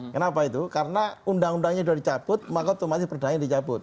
kenapa itu karena undang undangnya sudah dicabut maka masih perdana yang dicabut